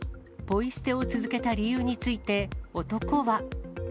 ポイ捨てを続けた理由について男は。